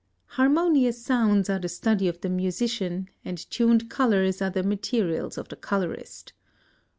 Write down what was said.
Harmonious sounds are the study of the musician, and tuned colors are the materials of the colorist.